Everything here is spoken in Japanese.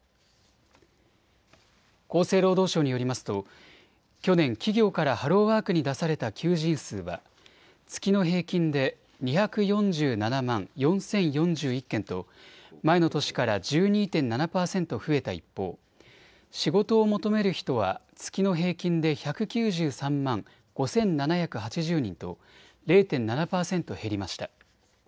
厚生労働省によりますと去年、企業からハローワークに出された求人数は月の平均で２４７万４０４１件と前の年から１２．７％増えた一方、仕事を求める人は月の平均で１９３万５７８０人と０．７％減りました。